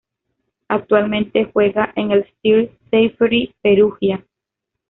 Actualmente juega en el Sir Safety Perugia.